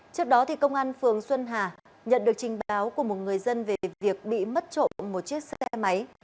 trước đó công an phường xuân hà nhận được trình báo của một người dân về việc bị mất trộm một chiếc xe máy